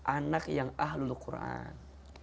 anak yang ahlul quran